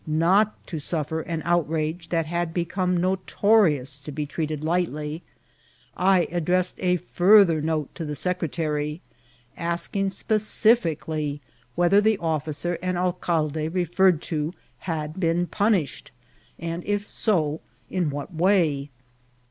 SM not to suffer an oijrtrage that had become notorious to be treated lightly, I addressed a farther note to the seo retary, asking specifically whether the officer and al calde referred to had been punished, and if so, in whatt way.